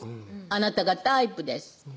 「あなたがタイプです」